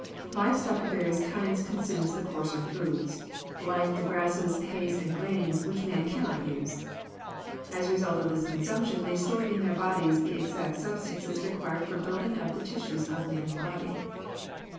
Live stock of various kinds consume the coarser foods, like the grasses, hays, and grains, which man cannot use. As a result of this consumption they store in their bodies the exact substances required for building up the tissues of man's body.